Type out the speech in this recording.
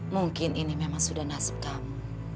mungkin ini memang sudah nasib kamu